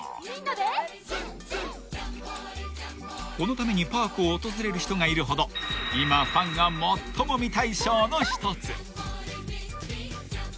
［このためにパークを訪れる人がいるほど今ファンが最も見たいショーの一つ］